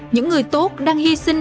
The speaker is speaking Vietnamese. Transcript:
những người tốt đang hy sinh